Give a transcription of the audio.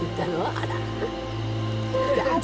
あら。